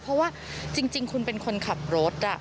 เพราะว่าจริงคุณเป็นคนขับรถ